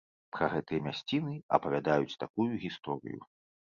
Пра гэтыя мясціны апавядаюць такую гісторыю.